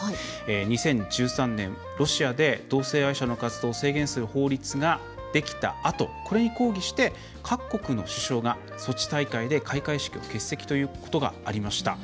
２０１３年、ロシアで同性愛者の活動を制限する法律ができたあと、これに抗議して各国の首相がソチ大会で開会式を欠席ということがありました。